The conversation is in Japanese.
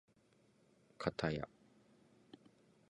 かたや